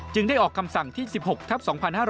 ได้ออกคำสั่งที่๑๖ทับ๒๕๕๙